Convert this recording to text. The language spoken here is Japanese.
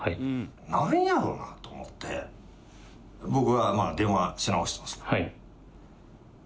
何やろなと思って僕は電話し直したんです。